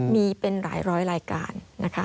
มีเป็นหลายร้อยรายการนะคะ